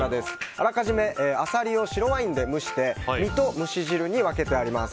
あらかじめアサリを白ワインで蒸して身と蒸し汁に分けてあります。